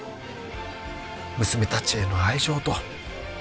「娘たちへの愛情と」